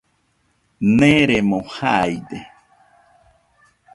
Neeremo jaide.